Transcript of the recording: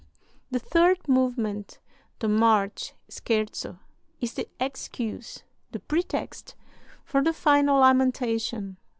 "The third movement the march scherzo is the excuse, the pretext, for the final lamentation.